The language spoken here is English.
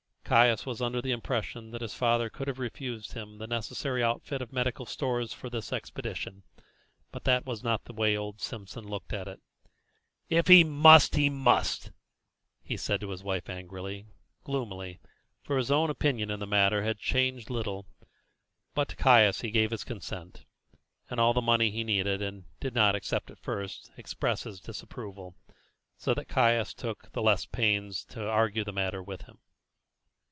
Caius was under the impression that his father could have refused him the necessary outfit of medical stores for this expedition, but that was not the way old Simpson looked at it. "If he must, he must," he said to his wife angrily, gloomily, for his own opinion in the matter had changed little; but to Caius he gave his consent, and all the money he needed, and did not, except at first, express his disapproval, so that Caius took the less pains to argue the matter with him.